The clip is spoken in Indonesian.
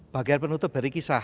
bagian penutup dari kisah